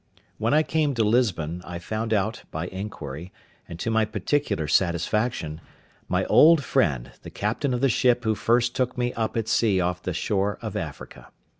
When I came to Lisbon, I found out, by inquiry, and to my particular satisfaction, my old friend, the captain of the ship who first took me up at sea off the shore of Africa.